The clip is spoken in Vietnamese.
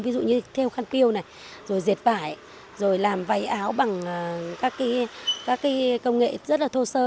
ví dụ như theo khăn tiêu này rồi diệt vải rồi làm váy áo bằng các công nghệ rất là thô sơ